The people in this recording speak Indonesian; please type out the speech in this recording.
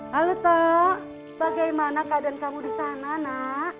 halo tok bagaimana keadaan kamu di sana nak